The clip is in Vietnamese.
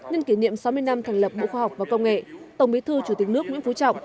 nhân kỷ niệm sáu mươi năm thành lập bộ khoa học và công nghệ tổng bí thư chủ tịch nước nguyễn phú trọng